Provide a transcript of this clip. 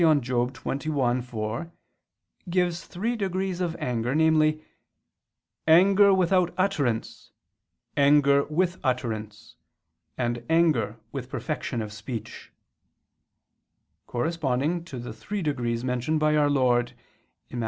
xxi, 4) gives three degrees of anger, namely, "anger without utterance, anger with utterance, and anger with perfection of speech," corresponding to the three degrees mentioned by Our Lord (Matt.